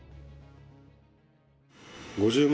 ５０万